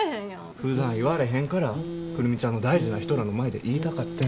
ふだん言われへんから久留美ちゃんの大事な人らの前で言いたかってん。